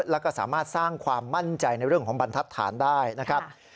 แล้วก็สามารถสร้างความมั่นใจในเรื่องของบรรทัศน์ได้นะครับ